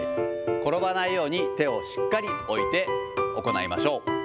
転ばないように手をしっかり置いて行いましょう。